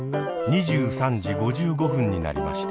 ２３時５５分になりました。